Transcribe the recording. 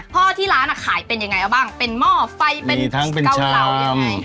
พอที่ร้านอะขายเป็นยังไงบ้างเป็นหม้อไฟเป็นกาวเหล่ามีทั้งเป็นชาม